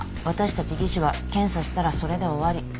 私たち技師は検査したらそれで終わり。